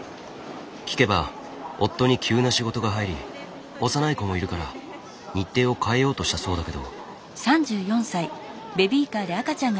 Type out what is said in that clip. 聞けば夫に急な仕事が入り幼い子もいるから日程を変えようとしたそうだけど。